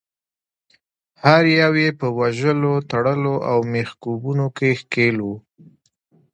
هر یو یې په وژلو، تړلو او میخکوبونو کې ښکیل وو.